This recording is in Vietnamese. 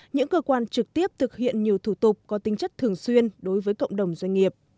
những cơ quan trực tiếp thực hiện nhiều thủ tục có tính chất thường xuyên đối với cộng đồng doanh nghiệp